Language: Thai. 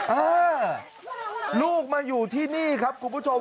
เออลูกมาอยู่ที่นี่ครับคุณผู้ชม